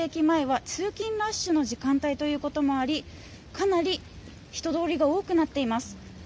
前は通勤ラッシュの時間帯ということもありかなり人通りが多くなっています。